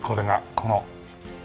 この。